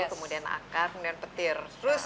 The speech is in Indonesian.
kemudian akar kemudian petir